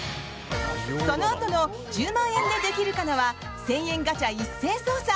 そのあとの「１０万円でできるかな」は１０００円ガチャ一斉捜査。